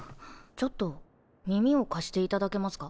ちょっと耳を貸していただけますか？